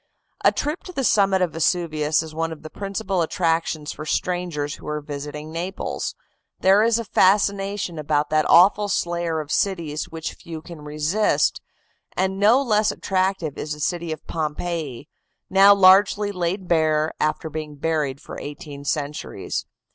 A trip to the summit of Vesuvius is one of the principal attractions for strangers who are visiting Naples. There is a fascination about that awful slayer of cities which few can resist, and no less attractive is the city of Pompeii, now largely laid bare after being buried for eighteen centuries.